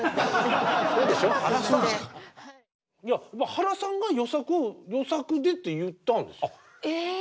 原さんが「『与作』で」って言ったんです。